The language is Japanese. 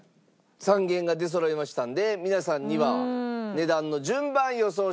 ３軒が出そろいましたので皆さんには値段の順番予想して頂きましょう。